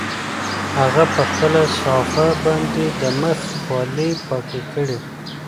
هغه په خپله صافه باندې د مخ خولې پاکې کړې.